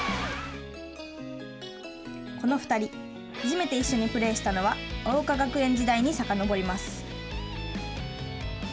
この２人初めて一緒にプレーしたのは桜花学園時代にさかのぼります。